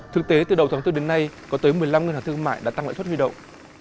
thực tế từ đầu tháng bốn đến nay có tới một mươi năm ngân hàng thương mại đã tăng lãi suất huy động